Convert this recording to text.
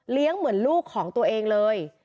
เลี้ยงเหมือนลูกของตัวเองเลย